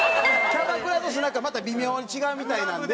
キャバクラとスナックはまた微妙に違うみたいなんで。